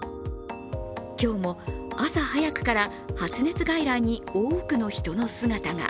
今日も朝早くから発熱外来に多くの人の姿が。